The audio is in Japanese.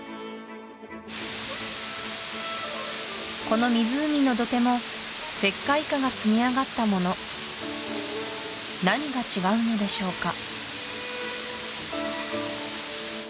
この湖の土手も石灰華が積み上がったもの何が違うのでしょうか